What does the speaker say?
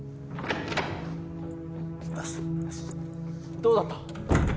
どうだった？